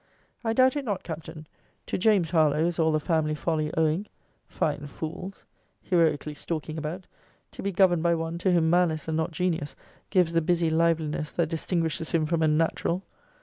I doubt it not, Captain to James Harlowe is all the family folly owing. Fine fools! [heroically stalking about] to be governed by one to whom malice and not genius, gives the busy liveliness that distinguishes him from a natural!